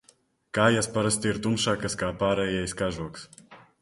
Kājas parasti ir tumšākas kā pārējais kažoks.